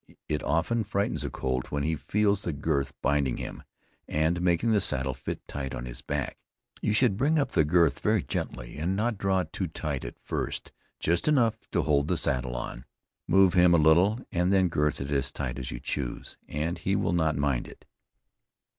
It often frightens a Colt when he feels the girth binding him, and making the saddle fit tight on his back. You should bring up the girth very gently, and not draw it too tight at first, just enough to hold the saddle on. Move him a little, and then girth it as tight as you choose, and he will not mind it.